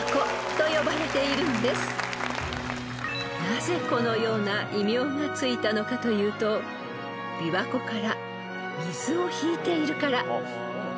［なぜこのような異名がついたのかというと琵琶湖から水を引いているから］